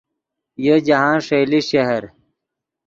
یو جاہند ݰئیلے شہر